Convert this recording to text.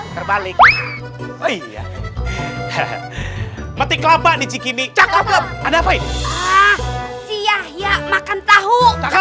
terbalik mati kelapa di sini ada apa ini si yahya makan tahu